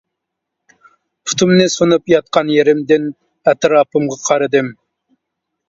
پۇتۇمنى سۇنۇپ ياتقان يېرىمدىن ئەتراپىمغا قارىدىم.